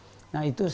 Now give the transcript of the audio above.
nah itu sangat terbaik